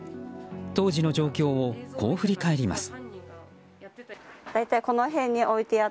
当時の状況をこう振り返ります。